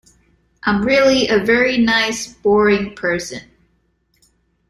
I'm really a very nice, boring person.